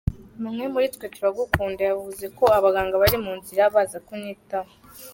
Bamwe muri twe turagukunda.”Yavuze ko abaganga bari mu nzira baza kunyitaho.